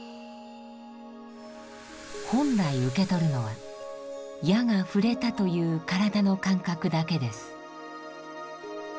本来受け取るのは矢が触れたという体の感覚だけです。